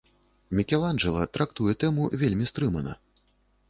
Мікеланджэла трактуе тэму вельмі стрымана.